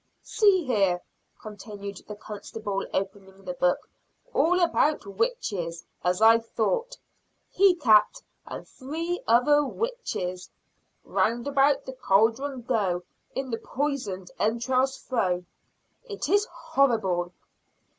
"See here!" continued the constable, opening the book, "All about witches, as I thought! He cat and three other witches! 'Round about the cauldron go: In the poisoned entrails throw.' It is horrible!"